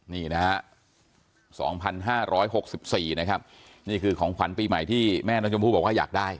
นี่นะฮะ๒๕๖๔นะครับนี่คือของขวัญปีใหม่ที่แม่น้องชมพู่บอกว่าอยากได้